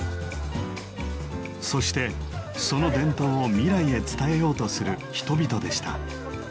そしてその伝統を未来へ伝えようとする人々でした。